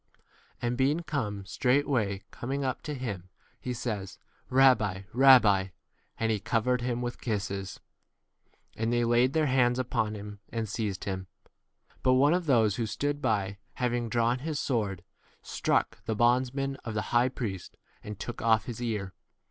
And being come, straightway coming up to him, he says, Rabbi, Rabbi; and 46 he covered him with kisses.? And they laid their hands upon him, 4 7 and seized him : but one of those who stood by, having drawn his sword, struck the bondsman of the high priest, and took off his 48 ear.